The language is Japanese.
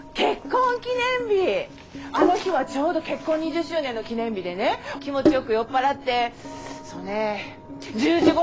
あの日はちょうど結婚２０周年の記念日でね気持ちよく酔っ払ってそうね１０時ごろ寝たの！